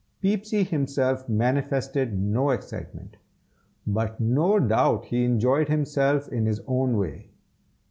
Peepsy himself manifested no excitement, but no doubt he enjoyed himself in his own way.